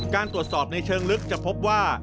การตรวจสอบในเชิงลึกจะพบว่า